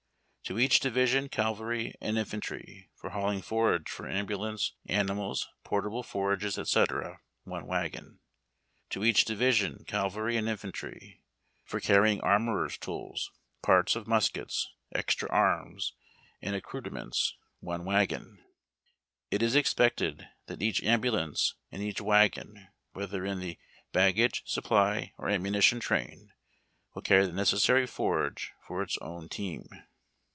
To each Division, cavalry and infantry, for hauling forage for ambulance animals, portable forges, &c., 1 wagon. To each Division, cavalry and infantry, for carrying armorer's tools, parts of muskets, e.xtra arms and accoutrements, 1 wagon. It is expected that each ambulance, and each wagon, whether in the bag gage, supply or amnumition train, will carry the necessary forage for its own team.